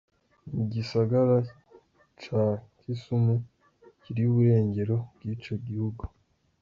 mu gisagara ca Kisumu kiri mu burengero bw'ico gihugu.